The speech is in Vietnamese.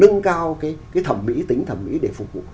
nâng cao cái thẩm mỹ tính thẩm mỹ để phục vụ